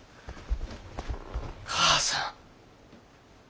母さん。